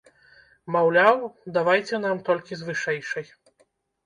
Маўляў, давайце нам толькі з вышэйшай.